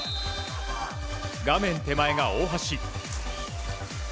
画面手前が大橋。